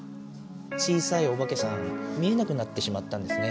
小さいオバケさん見えなくなってしまったんですね。